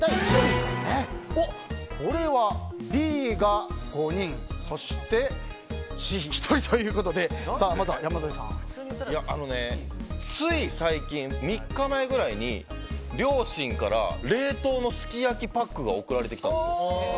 これは、Ｂが５人そして、Ｃは１人ということでつい最近、３日前くらいに両親から冷凍のすき焼きパックが送られてきたんですよ。